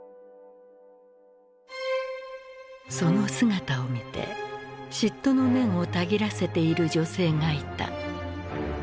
その姿を見て嫉妬の念をたぎらせている女性がいた。